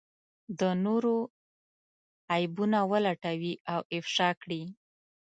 د نورو عيبونه ولټوي او افشا کړي.